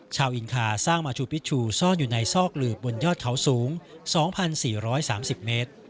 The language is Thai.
อินคาสร้างมาชูพิชชูซ่อนอยู่ในซอกหลืบบนยอดเขาสูง๒๔๓๐เมตร